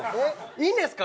いいんですか？